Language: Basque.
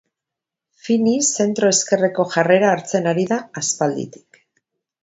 Fini zentro-ezkerreko jarrera hartzen ari da aspalditik.